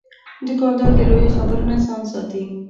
دوکاندار د لویو خبرو نه ځان ساتي.